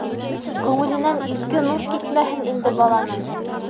Күңеленән изге нур китмәһен инде баланың.